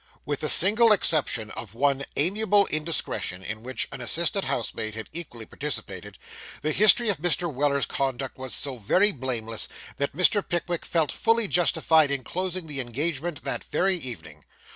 With the single exception of one amiable indiscretion, in which an assistant housemaid had equally participated, the history of Mr. Weller's conduct was so very blameless, that Mr. Pickwick felt fully justified in closing the engagement that very evening.